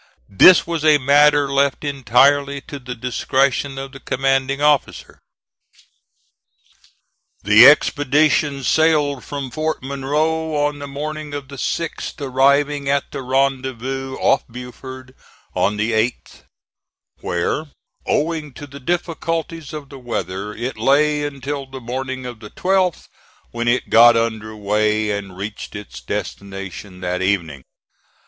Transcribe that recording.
This was a matter left entirely to the discretion of the commanding officer. The expedition sailed from Fort Monroe on the morning of the 6th, arriving at the rendezvous, off Beaufort, on the 8th, where, owing to the difficulties of the weather, it lay until the morning of the 12th, when it got under way and reached its destination that evening.